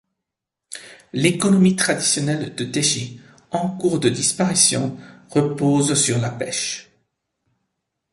L'économie traditionnelle de Teshie, en cours de disparition, repose sur la pêche.